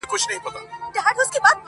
ستا نه بغېر دا زندګي راله خوند نه راکوي